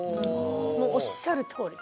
もうおっしゃる通り。